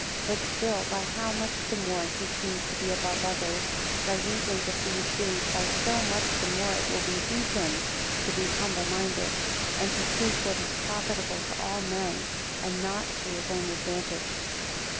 31 But still by how much the more he seems to be above others, by reason of these things, by so much the more will it behove him to be humble minded; and to seek what is profitable to all men, and not his own advantage.